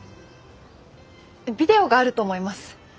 ビデオがあると思います。